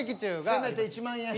せめて１万円。